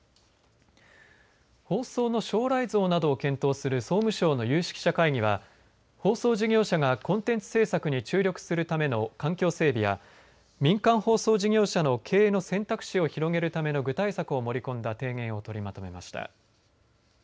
放送の将来像などを検討する総務省の有識者会議は放送事業者がコンテンツ制作に注力するための環境整備や民間放送事業者の経営の選択肢を広げるための具体策を盛り込んだ提言を取りまとめました。